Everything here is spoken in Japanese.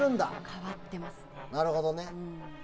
変わってますね。